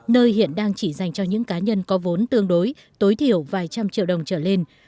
nơi hiện đang chỉ dành cho những cá nhân có vốn tương đối tối thiểu vài trăm triệu đồng trở lên